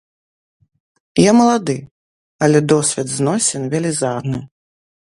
Я малады, але досвед зносін велізарны.